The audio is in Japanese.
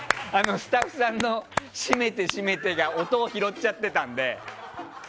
スタッフさんの閉めて、閉めてが音を拾っちゃってたんで。